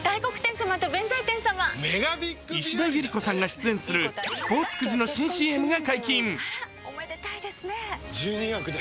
石田ゆり子さんが出演するスポーツくじの新ＣＭが解禁。